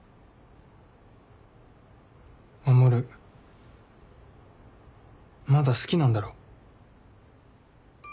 守まだ好きなんだろ？